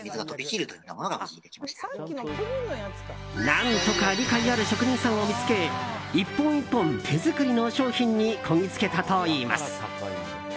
何とか理解ある職人さんを見つけ１本１本手作りの商品にこぎ着けたといいます。